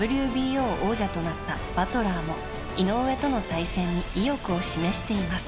ＷＢＯ王者となったバトラーも井上との対戦に意欲を示しています。